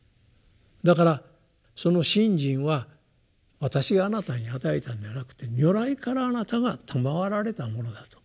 だからその信心は私があなたに与えたんではなくて如来からあなたがたまわられたものだと。